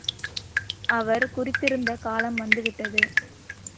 அவர் குறித்திருந்த காலம் வந்துவிட்டது.